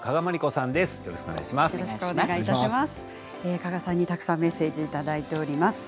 加賀さんにたくさんメッセージいただいております。